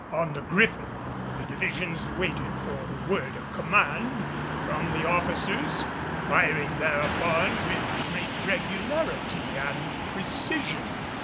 On the Griffin the divisions waited for the word of command from the officers, firing thereupon with great regularity and precision.